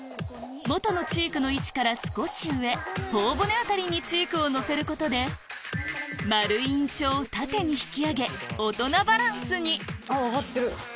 元のチークの位置から少し上頬骨辺りにチークをのせることで丸い印象を縦に引き上げ大人バランスに上がってる！